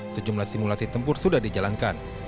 sejumlah simulasi tempur sudah dijalankan